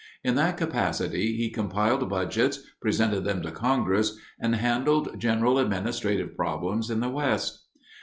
In that capacity he compiled budgets, presented them to congress, and handled general administrative problems in the West.